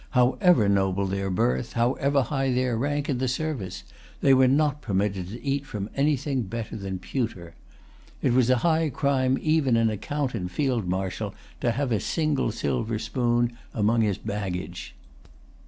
However noble their birth, however high their rank in the service, they were not permitted to eat from anything better than pewter. It was a high crime even in a count and field marshal to have a single silver spoon among his baggage.